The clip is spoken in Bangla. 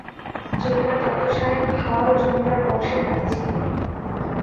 জমিদার দত্ত সাহেব ভাওয়াল জমিদার বংশের নাতি ছিলেন।